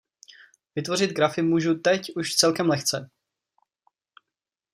Vytvořit grafy můžu teď už celkem lehce.